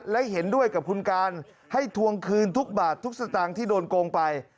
และเห็นด้วยกับคุณการให้ทวงคืนทุกบาททุกสตางค์ที่โดนโกงไป